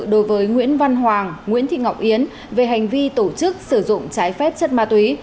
đối với nguyễn văn hoàng nguyễn thị ngọc yến về hành vi tổ chức sử dụng trái phép chất ma túy